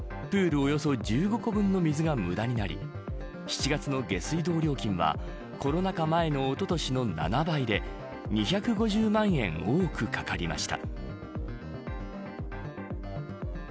およそ１５個分の水が無駄になり７月の下水道料金はコロナ禍前のおととしの７倍で２５０万円多くかかりました。